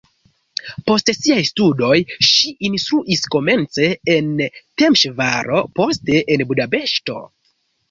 Post siaj studoj ŝi instruis komence en Temeŝvaro, poste en Budapeŝto.